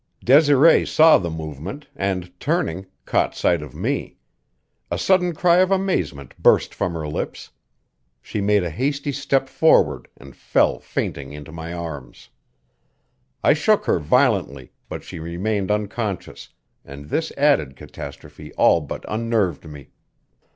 Desiree saw the movement and, turning, caught sight of me. A sudden cry of amazement burst from her lips; she made a hasty step forward and fell fainting into my arms. I shook her violently, but she remained unconscious, and this added catastrophe all but unnerved me.